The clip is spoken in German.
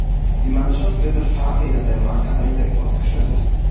Die Mannschaft wird mit Fahrrädern der Marke Isaac ausgestattet.